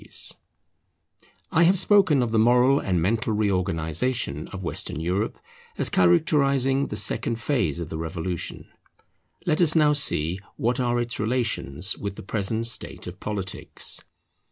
All government must for the present be provisional] I have spoken of the moral and mental reorganization of Western Europe as characterizing the second phase of the Revolution. Let us now see what are its relations with the present state of politics.